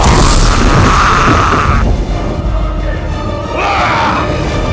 aku ingin mengalihkan kekuatan ketentral mascara